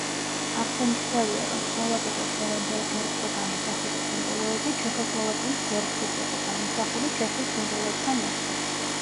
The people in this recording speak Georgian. აღსანიშნავია, რომ სლოვაკეთის დღევანდელ გერბზე გამოსახული სიმბოლოები ჩეხოსლოვაკიის გერბზეც იყო გამოსახული ჩეხურ სიმბოლოებთან ერთად.